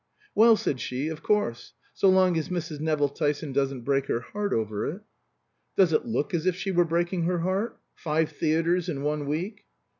"Well," said she, "of course, so long as Mrs. Nevill Tyson doesn't break her heart over it." "Does it look as if she were breaking her heart? Five theatres in one week."